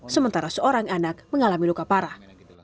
sementara seorang anak mengalami luka parah